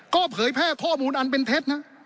ก็เผยแพร่ข้อมูลอันเป็นเท็จนะ